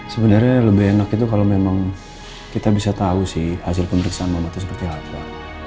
sebenarnya lebih enak itu kalau memang kita bisa tahu sih hasil pemeriksaan obat itu seperti apa